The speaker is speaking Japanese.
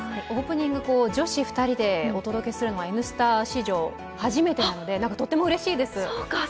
オープニング、女子２人でお届けするのは「Ｎスタ」史上初めてなのでとてもうれしいです。